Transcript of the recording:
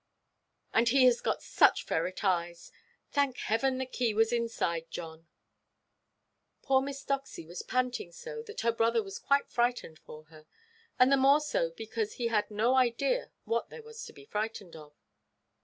And he has got such ferret eyes! Thank Heaven, the key was inside, John." Poor Miss Doxy was panting so, that her brother was quite frightened for her; and the more so because he had no idea what there was to be frightened at.